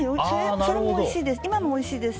それもおいしいです。